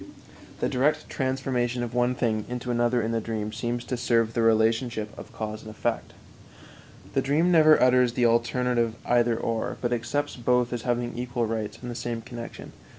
The direct transformation of one thing into another in the dream seems to serve the relationship of cause and effect. The dream never utters the alternative "either or," but accepts both as having equal rights in the same connection.